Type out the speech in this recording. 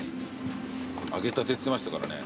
揚げたてっつってましたからね。